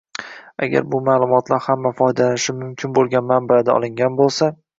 agar bu ma’lumotlar hamma foydalanishi mumkin bo‘lgan manbalardan olingan bo‘lsa.